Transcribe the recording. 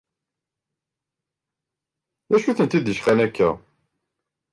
D acu i tent-id-icqan akka?